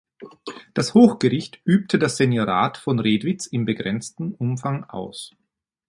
Das Hochgericht übte das Seniorat von Redwitz im begrenzten Umfang aus.